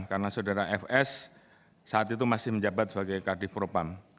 karena saudara fs saat itu masih menjabat sebagai kardif propam